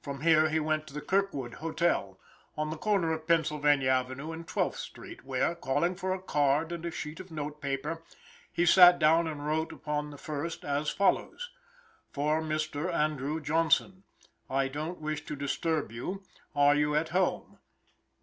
From here he went to the Kirkwood Hotel, on the corner of Pennsylvania avenue and Twelfth street, where, calling for a card and a sheet of notepaper, he sat down and wrote upon the first as follows: For Mr. Andrew Johnson: I don't wish to disturb you; are you at home?